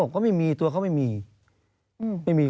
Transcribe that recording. เขาไม่มี